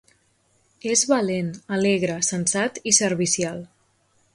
És valent, alegre, sensat i servicial.